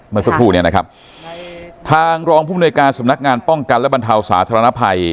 เมื่อสักครู่เนี่ยนะครับทางรองภูมิในการสำนักงานป้องกันและบรรเทาสาธารณภัย